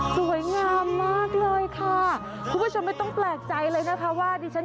สวยงามมากเลยค่ะคุณผู้ชมไม่ต้องแปลกใจเลยนะคะว่าดิฉัน